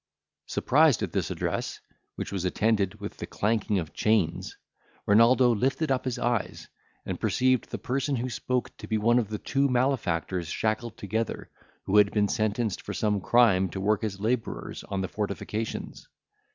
Surprised at this address, which was attended with the clanking of chains, Renaldo lifted up his eyes, and perceived the person who spoke to be one of two malefactors shackled together, who had been sentenced for some crime to work as labourers on the fortifications.